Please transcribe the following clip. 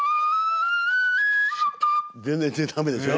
全然駄目でしょ。